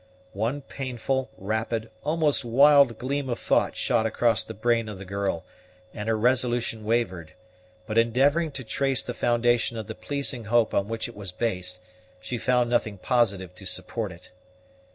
One painful, rapid, almost wild gleam of thought shot across the brain of the girl, and her resolution wavered; but endeavoring to trace the foundation of the pleasing hope on which it was based, she found nothing positive to support it.